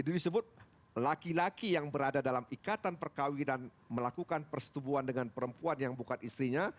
disebut laki laki yang berada dalam ikatan perkawi dan melakukan persetubuhan dengan perempuan yang bukan istrinya